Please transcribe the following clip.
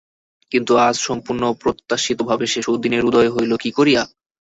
কিন্তু আজ সম্পূর্ণ অপ্রত্যাশিত ভাবে সে সুদিনের উদয় হইল কি করিয়া!